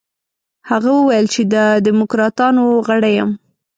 هغه وویل چې د دموکراتانو غړی یم.